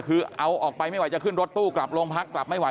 คือเอาออกไปไม่ไหวจะขึ้นรถตู้กลับโรงพักกลับไม่ไห